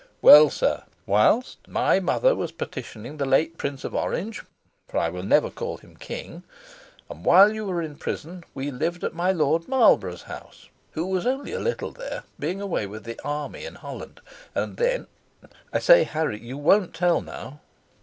Well, sir, whilst my mother was petitioning the late Prince of Orange for I will never call him king and while you were in prison, we lived at my Lord Marlborough's house, who was only a little there, being away with the army in Holland. And then ... I say, Harry, you won't tell, now?"